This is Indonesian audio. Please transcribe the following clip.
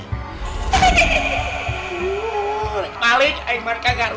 mana aku leket kan din masses nya itu